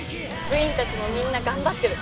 部員たちもみんな頑張ってる。